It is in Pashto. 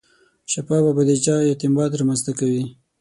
شفافه بودیجه اعتماد رامنځته کوي.